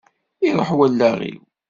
Iṛuḥ wallaɣ-iw.